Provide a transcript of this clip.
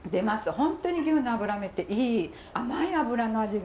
本当に牛の脂身っていい甘い脂の味がするので。